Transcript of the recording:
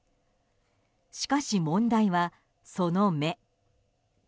しかし問題は、その目。